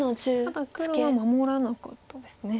ただ黒は守らなかったですね。